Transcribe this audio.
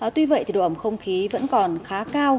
tuy vậy thì độ ẩm không khí vẫn còn khá cao